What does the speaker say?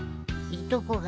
いとこがね。